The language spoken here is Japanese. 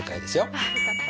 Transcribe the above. あよかった。